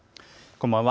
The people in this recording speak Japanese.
こんばんは。